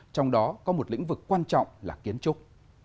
trong đó có một lĩnh vực quan trọng là kiến trúc